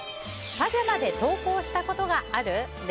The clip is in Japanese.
パジャマで登校したことがある？